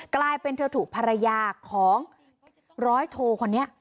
กลายเป็นเธอถูกภรรยาของร้อยโทคนนี้